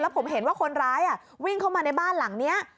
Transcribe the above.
ผมเห็นว่าคนร้ายวิ่งเข้ามาในบ้านหลังนี้